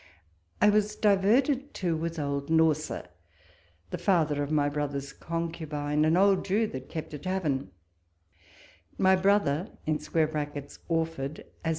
I was diverted too with old Norsa, the father of my brother's concubine, an old Jew that kept a tavern ; my brother [Orford], as